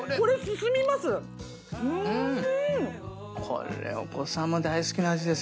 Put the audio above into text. これお子さんも大好きな味ですよ。